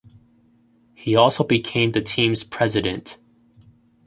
He also became the team's president.